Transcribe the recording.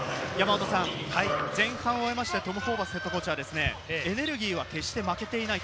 前半を終えてトム・ホーバスＨＣはエネルギーは決して負けていない。